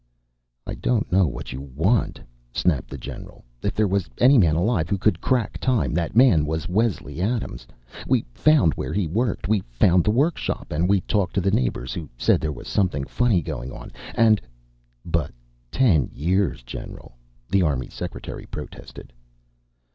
"I don't know what you want," snapped the general. "If there was any man alive who could crack time, that man was Wesley Adams. We found where he worked. We found the workshop and we talked to neighbors who said there was something funny going on and " "But ten years, General!" the army secretary protested.